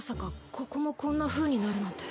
ここもこんなふうになるなんて。